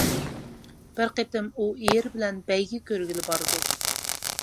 بىر قېتىم ئۇ ئېرى بىلەن بەيگە كۆرگىلى بارىدۇ.